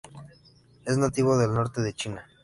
Es nativo del norte de China.